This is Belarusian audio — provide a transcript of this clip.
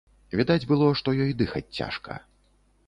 Відаць было, што ёй дыхаць цяжка.